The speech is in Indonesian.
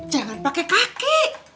jangan pakai kaki